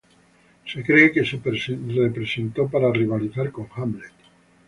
Se cree que se representó para rivalizar con "Hamlet".